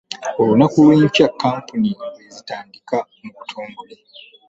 Olunaku lw'enkya kkampeyini lwezitandika mu butongole.